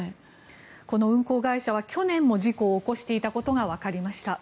この運航会社は去年も事故を起こしていたことがわかりました。